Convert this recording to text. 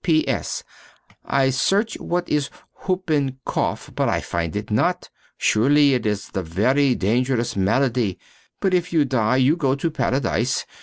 P.P.S. I search what is the hoopincoff, but I find it not. Surely it is the very dangerous malady, but if you die, you go to Paradise; M.